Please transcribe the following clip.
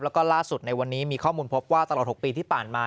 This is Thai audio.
แล้วก็ล่าสุดในวันนี้มีข้อมูลพบว่าตลอด๖ปีที่ผ่านมา